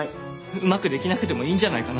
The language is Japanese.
うまくできなくてもいいんじゃないかな？